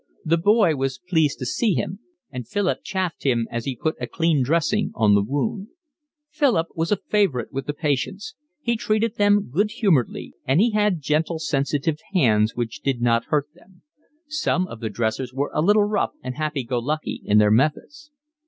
The boy was pleased to see him, and Philip chaffed him as he put a clean dressing on the wound. Philip was a favourite with the patients; he treated them good humouredly; and he had gentle, sensitive hands which did not hurt them: some of the dressers were a little rough and happy go lucky in their methods.